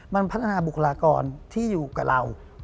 มันพัฒนาบุคลากรที่อยู่กับเรา